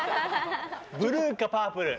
ブルーかパープル。